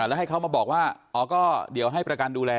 แล้วให้เขามาบอกว่าอ๋อก็เดี๋ยวให้ประกันดูแล